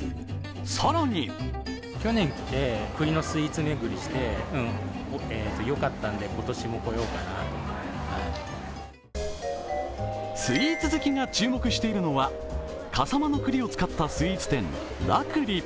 更にスイーツ好きが注目しているのは笠間のくりを使ったスイーツ店、楽栗。